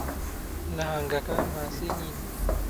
نەھەنگەکان ماسی نین.